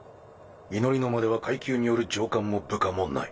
祈りの間では階級による上官も部下もない。